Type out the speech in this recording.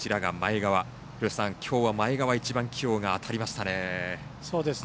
きょうは前川１番起用が当たりましたね。